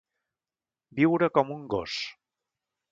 Viure com un gos.